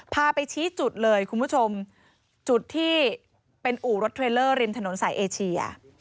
พาไปชี้จุดเลยคุณผู้ชมจุดที่เป็นอู่รถเทรลเลอร์ริมถนนสายเอเชีย